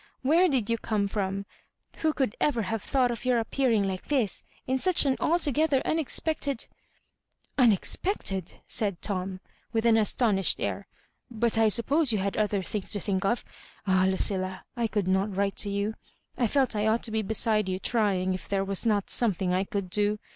Where did you come from? Who could ever"*have thought of your appearing hke this, in such an altogether unex pected "" Unexpected I " said Tom, with an astonished air. " But I suppose you had other things to think of. Ah, Lucilla, I could not write to you. I felt I ought to be beside you trying if there was not something I could do.